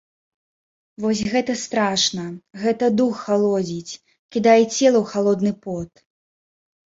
Вось гэта страшна, гэта дух халодзіць, кідае цела ў халодны пот.